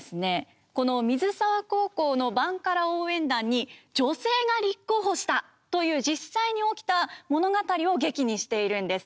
この水沢高校のバンカラ応援団に女性が立候補したという実際に起きた物語を劇にしているんです。